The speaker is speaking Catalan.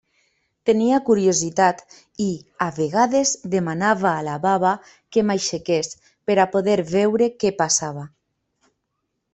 Tenia curiositat, i a vegades demanava a la baba que m'aixequés per a poder veure què passava.